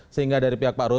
sehingga dari pihak pak ruhu